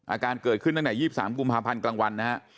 อาการเกิดขึ้นตั้งแต่๒๓กุมภาพันธ์กลางวันนะฮะ